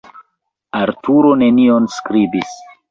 Arturo nenion skribis.